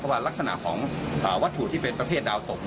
ว่ารักษณะของวัตถุที่เป็นประเภทดาวตก